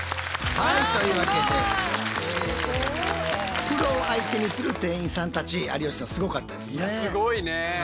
はいというわけでプロを相手にする店員さんたち有吉さんすごかったですね。